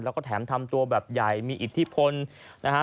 แล้วก็แถมทำตัวแบบใหญ่มีอิทธิพลนะฮะ